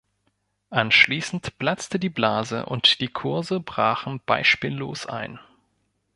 Anschließend platzte die Blase und die Kurse brachen beispiellos ein.